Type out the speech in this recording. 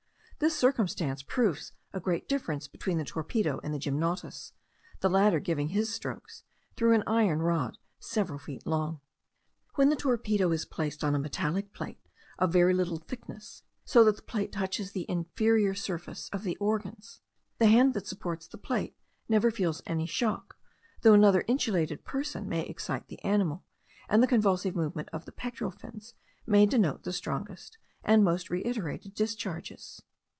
This circumstance proves a great difference between the torpedo and the gymnotus, the latter giving his strokes through an iron rod several feet long. When the torpedo is placed on a metallic plate of very little thickness, so that the plate touches the inferior surface of the organs, the hand that supports the plate never feels any shock, though another insulated person may excite the animal, and the convulsive movement of the pectoral fins may denote the strongest and most reiterated discharges.